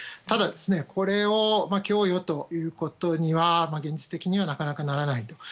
ただ、これを供与ということには現実的には、なかなかならない。